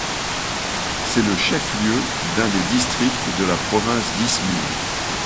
C’est le chef-lieu d’un des districts de la province d’İzmir.